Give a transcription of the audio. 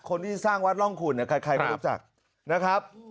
คนที่สร้างวัดร่องขุนใครไม่รู้จักนะครับ